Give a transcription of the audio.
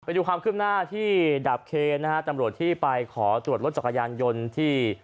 ดูความคืบหน้าที่ดาบเคนนะฮะตำรวจที่ไปขอตรวจรถจักรยานยนต์ที่